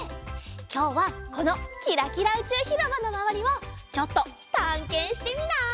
きょうはこのキラキラうちゅうひろばのまわりをちょっとたんけんしてみない？